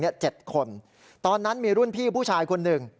เนี่ยเจ็บคนตอนนั้นมีรุ่นพี่ผู้ชายคนหนึ่ง